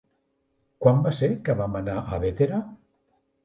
Quan va ser que vam anar a Bétera?